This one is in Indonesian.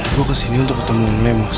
gue kesini untuk ketemu om lemos